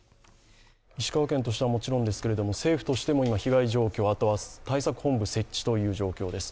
石川県としてはもちろんですけど政府としても被害状況、あとは対策本部設置という状況です。